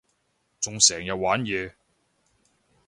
仲成日玩嘢